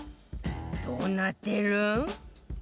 どうなってる？